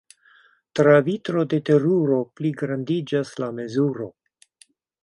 Tra vitro de teruro pligrandiĝas la mezuro.